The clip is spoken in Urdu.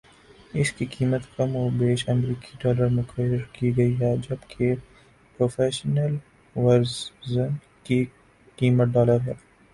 اسکی قیمت کم و بیش امریکی ڈالر مقرر کی گئ ہے جبکہ پروفیشنل ورژن کی قیمت ڈالر ہے